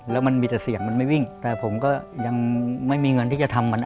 แล้วมันมีแต่เสียงมันไม่วิ่งแต่ผมก็ยังไม่มีเงินที่จะทำมัน